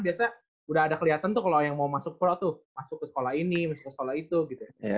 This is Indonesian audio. biasanya udah ada kelihatan tuh kalau yang mau masuk pro tuh masuk ke sekolah ini masuk ke sekolah itu gitu